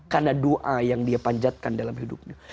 karena doa yang dia panjatkan dalam hidupnya